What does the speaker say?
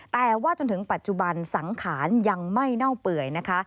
แต่ว่าจนถึงปัจจุบันสังขารยังไม่เน่าเปื่อยนะคะ